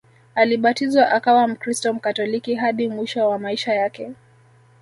Alibatizwa akawa mkristo Mkatoliki hadi mwisho wa maisha yake